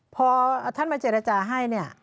พอท่านมาเจรจาให้